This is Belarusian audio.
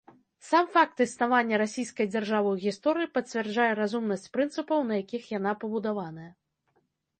Сам факт існавання расійскай дзяржавы ў гісторыі пацвярджае разумнасць прынцыпаў, на якіх яна пабудаваная.